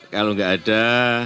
kalau gak ada